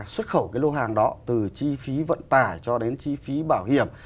xuất khẩu cái lô hàng đó từ chi phí vận tải cho đến chi phí bảo hiểm